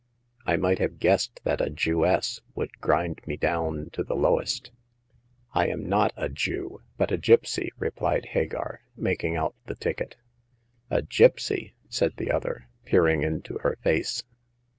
I might have guessed that a Jewess would grind me down to the lowest." I am not a Jew, but a gipsy," replied Hagar, making out the ticket. A gipsy !" said the other, peering into her face.